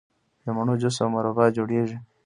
د مڼو جوس او مربا جوړیږي.